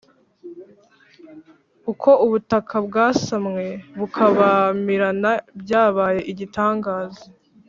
uko ubutaka bwasamye bukabamirana byabaye igitangaza